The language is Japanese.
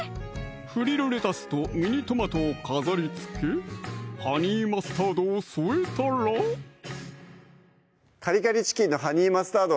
フリルレタスとミニトマトを飾りつけハニーマスタードを添えたら「カリカリチキンのハニーマスタード」